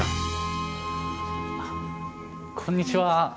こんにちは。